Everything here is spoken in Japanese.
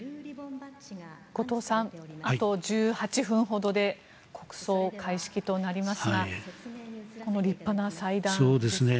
後藤さんあと１８分ほどで国葬開式となりますが立派な祭壇ですね。